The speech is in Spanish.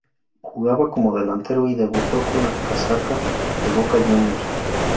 Jugaba como delantero y debutó con la casaca de Boca Juniors.